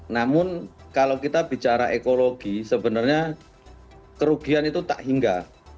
namun kalau kita bicara ekologi sebenarnya kerugian itu tak hingga